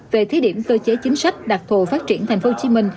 về thế điểm cơ chế chính sách đặc thù phát triển tp hcm